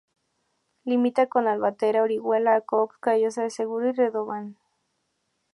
Limita con Albatera, Orihuela, Cox, Callosa de Segura y Redován.